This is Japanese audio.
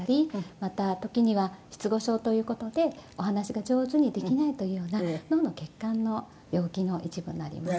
また時には失語症という事でお話しが上手にできないというような脳の血管の病気の一部になります。